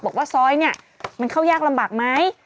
บอกว่าซอยเนี่ยมันเข้ายากลำบากไหม